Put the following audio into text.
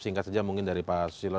singkat saja mungkin dari pak susilo